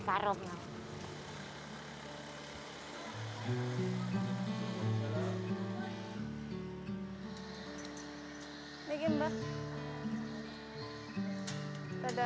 dan mudah habah